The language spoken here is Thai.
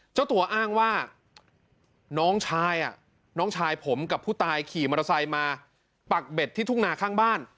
เจ้าตัวอ้างว่าน้องชายน้องชายผมกับผู้ตายขี่มอเตอร์ไซค์มาปักเบ็ดที่ทุ่งนาข้างบ้าน